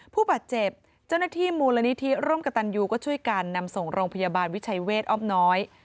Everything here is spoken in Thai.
ผู้บาดเจ็บเจ้าหน้าที่มูลนิธิร่วมกับตันยูก็ช่วยกันนำส่งโรงพยาบาลวิชัยเวทอ้อมน้อย